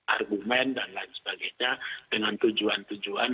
argumen dan lain sebagainya dengan tujuan tujuan